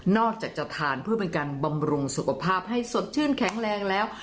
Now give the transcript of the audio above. จากจะทานเพื่อเป็นการบำรุงสุขภาพให้สดชื่นแข็งแรงแล้ว